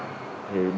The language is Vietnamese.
thì được thực hiện